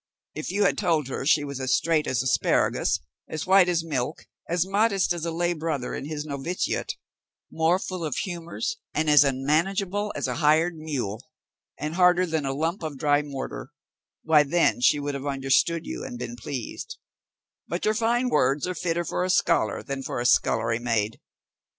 If you had told her she was as straight as asparagus, as white as milk, as modest as a lay brother in his novitiate, more full of humours and unmanageable than a hired mule, and harder than a lump of dry mortar, why then she would have understood you and been pleased; but your fine words are fitter for a scholar than for a scullery maid.